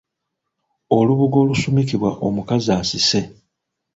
Olubugo olusumikibwa omukazi asise.